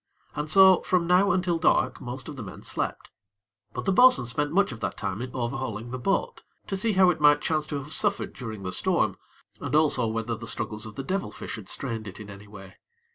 And so from now until dark most of the men slept; but the bo'sun spent much of that time in overhauling the boat, to see how it might chance to have suffered during the storm, and also whether the struggles of the devil fish had strained it in any way.